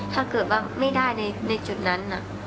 ถ้าเกิดว่าไม่ได้ในจุดนั้น